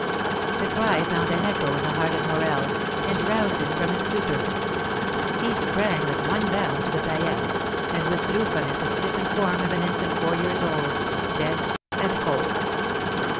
That cry found an echo in the heart of Morel, and roused him from his stupor. He sprang with one bound to the paillasse, and withdrew from it the stiffened form of an infant four years old, dead and cold.